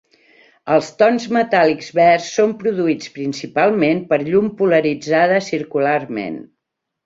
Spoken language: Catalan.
Els tons metàl·lics verds són produïts principalment per llum polaritzada circularment.